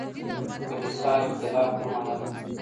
کليسا اختلاف نه منله.